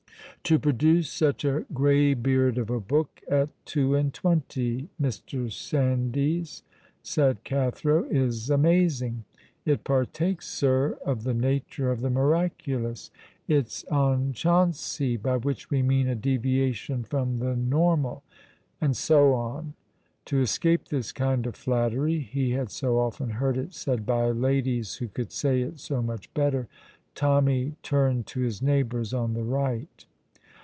"To produce such a graybeard of a book at two and twenty, Mr. Sandys," said Cathro, "is amazing. It partakes, sir, of the nature of the miraculous; it's onchancey, by which we mean a deviation from the normal." And so on. To escape this kind of flattery (he had so often heard it said by ladies, who could say it so much better), Tommy turned to his neighbours on the right.